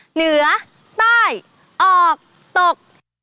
เหนือใต้ออกตก